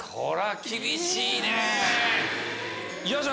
これは厳しいね。